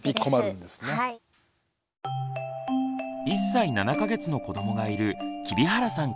１歳７か月の子どもがいる黍原さん